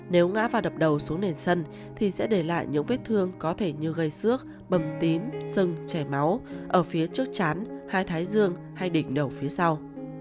nếu ngã và đập đầu xuống nền sân thì sẽ để lại những vết thương có thể như gây xước bầm tím sưng chảy máu ở phía trước chán hai thái dương hay đỉnh đầu phía sau